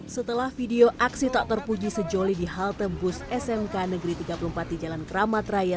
setelah video aksi tak terpuji sejoli di halte bus smk negeri tiga puluh empat di jalan keramat raya